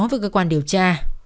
với cơ quan điều tra